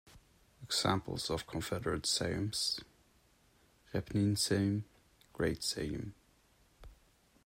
Examples of confederated Sejms: Repnin Sejm, Great Sejm.